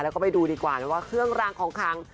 แล้วก็ไปดูดีกว่านะว่าเครื่องรางของขัง